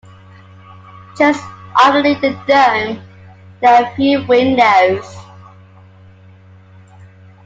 Just underneath the dome there are a few windows.